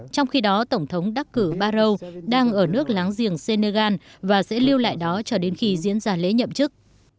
trong khi đó tổng thống đắc cử baro đang ở nước láng giềng senegal và sẽ lưu lại đó cho đến khi diễn ra lễ nhậm chức